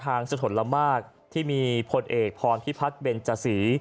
ทางสะทนละมากที่มีพลเอกพรพิพัฒน์เบนส์จ่าศรี